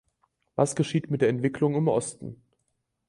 Was geschieht mit der Entwicklung im Osten?